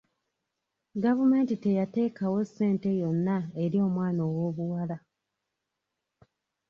Gavumenti teyateekawo ssente yonna eri omwana owoobuwala.